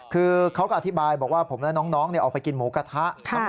คือเขาก็อธิบายบอกว่าผมและน้องออกไปกินหมูกระทะ